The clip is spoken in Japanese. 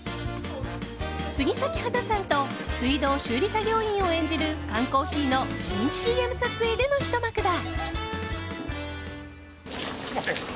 杉咲花さんと水道修理作業員を演じる缶コーヒーの新ＣＭ撮影でのひと幕だ。